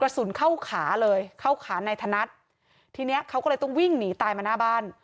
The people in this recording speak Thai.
สุนเข้าขาเลยเข้าขานายธนัดทีเนี้ยเขาก็เลยต้องวิ่งหนีตายมาหน้าบ้าน